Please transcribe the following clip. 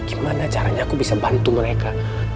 gimana caranya aku bisa bantu mereka